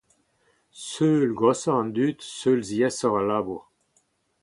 Seul goshoc'h an dud, seul ziaesoc'h al labour.